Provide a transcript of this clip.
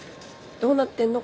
どうなってんの？